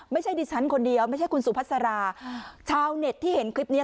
ไม่ใช่ดิฉันคนเดียวไม่ใช่คุณสุภาษาราชาวเน็ตที่เห็นคลิปนี้